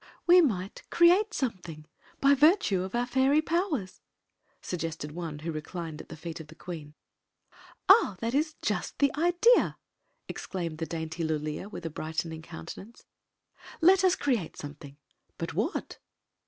"We might create something, by virtue of our fairy powers," suggested one who reclined at the feet of the queen. Story of the Magic Cloak Ah, that is just the idea!" exclaimed the dainty Lulea, with brightening countenance. " Let us cre ate something. But what?"